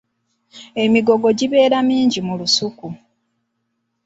Emigogo gibeera mingi mu lusuku.